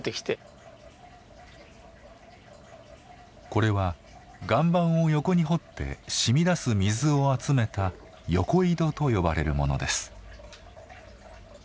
これは岩盤を横に掘ってしみ出す水を集めた横井戸と呼ばれるものです。